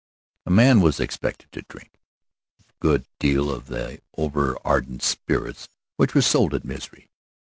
A man was expected to drink a good deal of the overardent spirits which were sold at Misery.